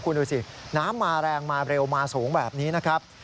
คุณดูสิน้ำมาแรงมาเร็วมาสูงแบบนี้นะครับ